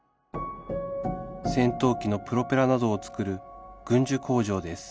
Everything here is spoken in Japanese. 戦闘機のプロペラなどを造る軍需工場です